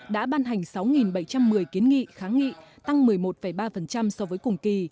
đã ban hành sáu bảy trăm một mươi kiến nghị kháng nghị tăng một mươi một ba so với cùng kỳ